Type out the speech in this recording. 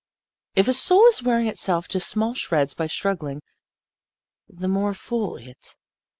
If a soul is wearing itself to small shreds by struggling, the more fool it.